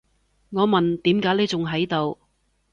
我問，點解你仲喺度？